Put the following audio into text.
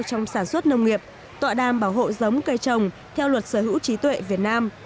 trong sản xuất nông nghiệp tọa đàm bảo hộ giống cây trồng theo luật sở hữu trí tuệ việt nam